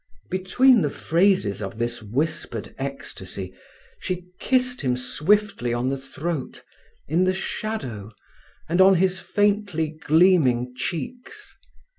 Between the phrases of this whispered ecstasy she kissed him swiftly on the throat, in the shadow, and on his faintly gleaming cheeks.